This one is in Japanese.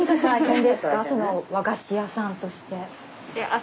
和菓子屋さんとして。